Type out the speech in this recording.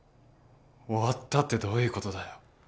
終わったってどういうことだよ？